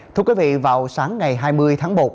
thưa quý vị vào sáng ngày hai mươi tháng một